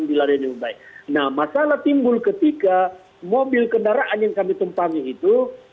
nah masalah timbul ketika mobil kendaraan yang kami tumpangi itu